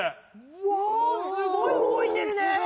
うわすごいうごいてるね。